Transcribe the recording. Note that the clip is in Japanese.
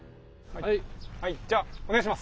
はい。